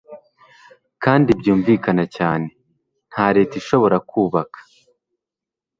Kandi byumvikana cyane. Nta leta ishobora kubaka